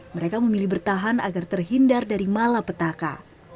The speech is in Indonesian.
mereka memilih bertahan agar terhindar dari mala petaka